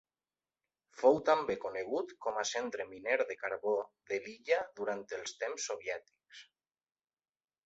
Fou també conegut com a centre miner de carbó de l'illa durant els temps soviètics.